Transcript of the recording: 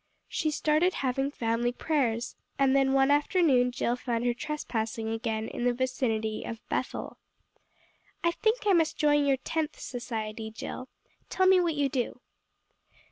She started having family prayers; and then one afternoon Jill found her trespassing again in the vicinity of "Bethel." "I think I must join your Tenth Society, Jill. Tell me what you do."